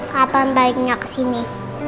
kapan baliknya kesini